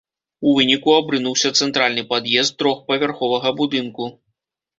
У выніку, абрынуўся цэнтральны пад'езд трохпавярховага будынку.